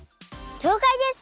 りょうかいです！